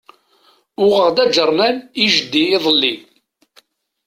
Uɣeɣ-d aǧarnan i jeddi iḍelli.